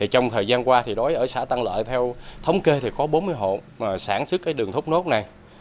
trong thời gian qua ở xã tăng lợi theo thống kê có bốn mươi hộ sản xuất đường thốt nốt này